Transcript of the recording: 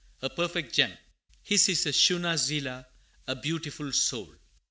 A perfect gem! His is a schone Seele, a beautiful soul.